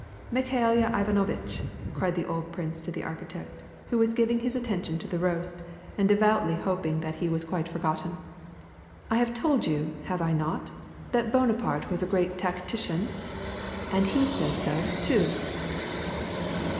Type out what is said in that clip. "Mikhaila Ivanovitch," cried the old prince to the architect, who was giving his attention to the roast, and devoutly hoping * Conrt^War Sausage Sclmaps Goancil. 120 WAR AND PEACE. that he was quite forgotten, '< I have told you, have I not, that Bonaparte was a great tactician ? And he says so, too."